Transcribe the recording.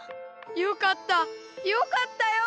よかったよかったよ。